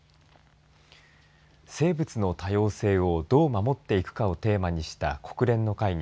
生物の多様性をどう守っていくかをテーマにした国連の会議